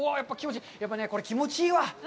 やっぱね、これ気持ちいいわ。